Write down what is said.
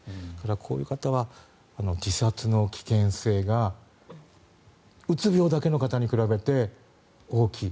こういう方は自殺の危険性がうつ病だけの方に比べて大きい。